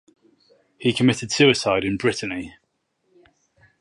He committed suicide in Brittany.